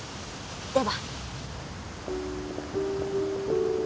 では。